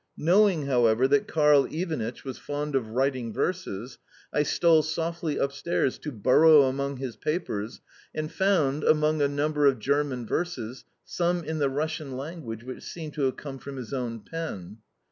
Knowing, however, that Karl Ivanitch was fond of writing verses, I stole softly upstairs to burrow among his papers, and found, among a number of German verses, some in the Russian language which seemed to have come from his own pen.